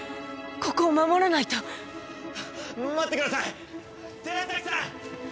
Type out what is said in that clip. ここを守らないと待ってください寺崎さん！